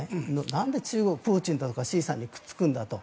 なんで中国プーチンだとか習さんにくっつくんだと。